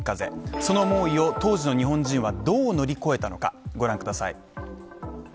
その猛威を当時の日本人はどう乗り越えたのか。